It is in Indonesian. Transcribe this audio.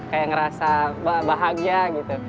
kayak ngerasa bahagia gitu